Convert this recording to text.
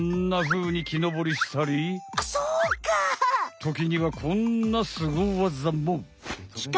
ときにはこんなスゴわざも！